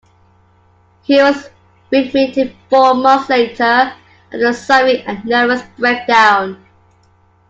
He was readmitted four months later after suffering a nervous breakdown.